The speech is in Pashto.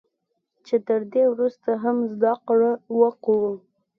چې تر دې ورسته هم زده کړه وکړو